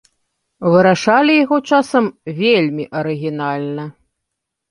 Вырашалі яго часам вельмі арыгінальна.